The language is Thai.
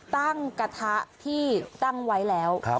กระทะที่ตั้งไว้แล้ว